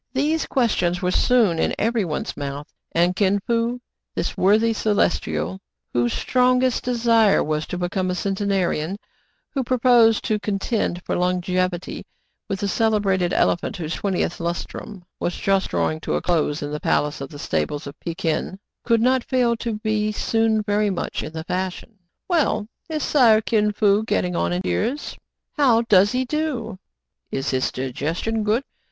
These questions were soon in every one's mouth ; and Kin Fo, this worthy Celestial " whose strong est desire was to become a centenarian," who pro posed to contend for longevity with the celebrated elephant whose twentieth lustrum was just draw ing to a close in the Palace of the Stables of Pé kin, could not fail to be soon very much in the fashion. " Well, is Sire Kin Fo getting on in years }"" How does he do .«^"" Is his digestion good